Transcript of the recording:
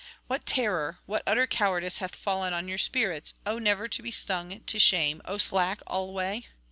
'What terror, what utter cowardice hath fallen on your spirits, O never to be stung to shame, O slack alway?